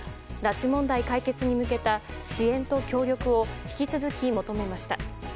拉致問題解決に向けた支援と協力を引き続き求めました。